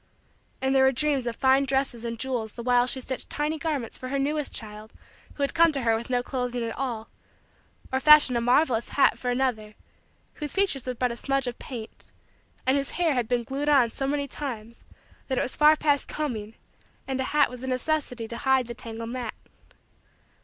And there were dreams of fine dresses and jewels the while she stitched tiny garments for her newest child who had come to her with no clothing at all, or fashioned a marvelous hat for another whose features were but a smudge of paint and whose hair had been glued on so many times that it was far past combing and a hat was a necessity to hide the tangled mat.